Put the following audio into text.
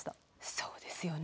そうですよね。